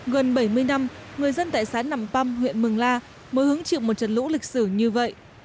gần bảy mươi năm người dân tại xã nậm păm huyện mương la mới hướng chịu một trận lũ lịch sử như vậy